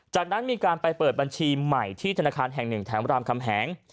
จากนั้นมีการไปเปิดบัญชีใหม่ที่ธนาคารแห่งหนึ่งแถมรามคำแหง